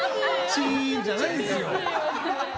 チーンじゃないですよ！